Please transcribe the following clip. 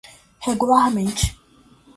regularmente